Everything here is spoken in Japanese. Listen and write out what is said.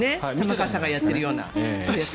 玉川さんがやっているような。